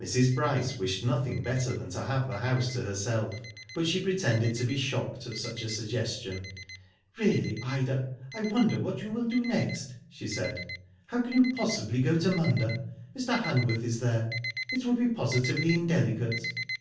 Mrs. Bryce wished nothing better than to have the house to herself, but she pretended to be shocked at such a suggestion. F 2 Digitized byGoogk 68 WHO DID IT? '* Really, Ida, I wonder what you will do next," she said. '*How can you possibly go to Munda? Mr. Hanworth is there. It would be positively indelicate."